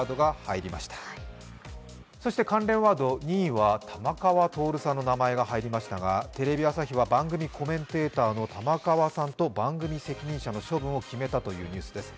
関連ワード、２位は玉川徹さんの名前が入りましたが、テレビ朝日は番組コメンテーターの玉川さんと番組責任者の処分を決めたというニュースです。